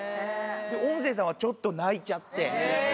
音声さんはちょっと泣いちゃって。